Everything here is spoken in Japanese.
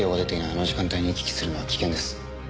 あの時間帯に行き来するのは危険です。